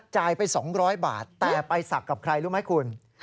จ่ายไป๒๐๐บาทแต่ไปสักกับใครรู้ไหมคุณ